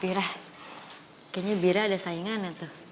bira kayaknya bira ada saingan ya tuh